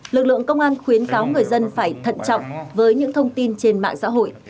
lực lượng công an khuyến cáo người dân phải thận trọng với những thông tin trên mạng xã hội